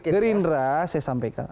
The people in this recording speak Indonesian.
gerindra saya sampaikan